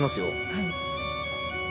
はい。